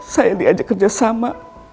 saya diajak kerjasama